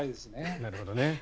なるほどね。